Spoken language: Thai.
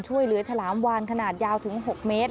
ช่วยเลือดฉลามวานขนาดยาวถึง๖เมตร